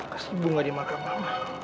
kasih bunga di mahkamah